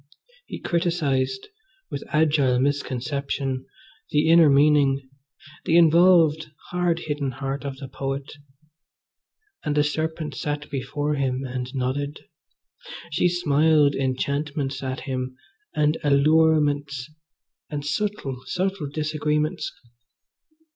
He criticised, with agile misconception, the inner meaning, the involved, hard hidden heart of the poet; and the serpent sat before him and nodded. She smiled enchantments at him, and allurements, and subtle, subtle disagreements.